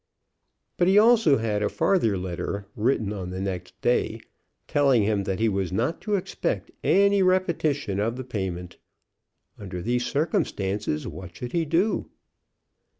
But he also had a farther letter, written on the next day, telling him that he was not to expect any repetition of the payment. Under these circumstances, what should he do?